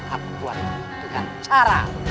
aku buat dengan cara